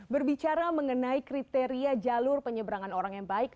berbicara mengenai kriteria jalur penyeberangan orang yang baik